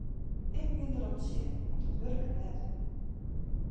Ik bin derop tsjin want it wurket net.